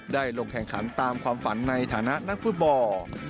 ลงแข่งขันตามความฝันในฐานะนักฟุตบอล